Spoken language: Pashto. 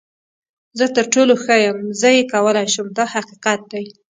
زه تر ټولو ښه یم، زه یې کولی شم دا حقیقت دی.